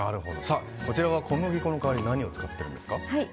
こちらは小麦粉の代わりに何を使っているんですか。